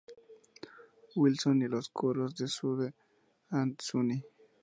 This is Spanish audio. Wilson y los coros de Sue and Sunny.